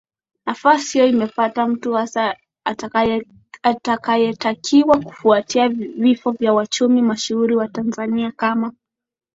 nafasi hiyo imepata mtu hasa aliyetakiwaKufuatia vifo vya wachumi mashuhuri wa Tanzania kama